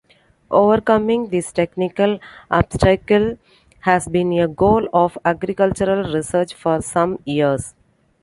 Overcoming this technical obstacle has been a goal of agricultural research for some years.